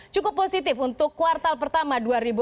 cukup positif untuk kuartal pertama dua ribu enam belas